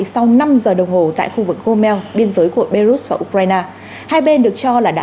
sau năm giờ đồng hồ tại khu vực gomel biên giới của belarus và ukraine hai bên được cho là đã